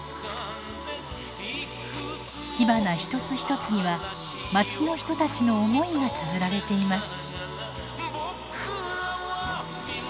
火花一つ一つにはまちの人たちの思いがつづられています。